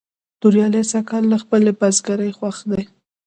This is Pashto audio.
توریالی سږ کال له خپلې بزگرۍ خوښ دی.